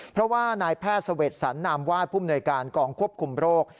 เพราะว่านายแพทย์สวรรค์สรรค์นามวาดภูมิหน่วยการกองควบคุมโรค